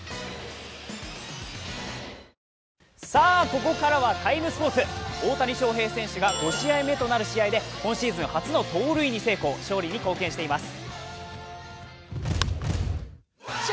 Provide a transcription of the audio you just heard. ここからはＴＩＭＥスポーツ、大谷翔平選手が５試合目となる試合で今シーズン初の盗塁に成功勝利に貢献しています。